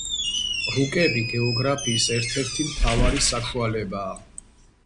რუკები გეოგრაფიის ერთ-ერთი მთავარი საშუალებაა.